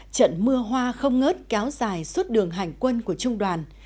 trận mưa hoa không ngớt kéo dài suốt đường hành quân của trung đoàn